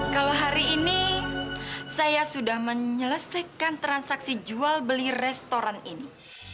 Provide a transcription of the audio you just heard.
kalau hari ini saya sudah menyelesaikan transaksi jual beli restoran ini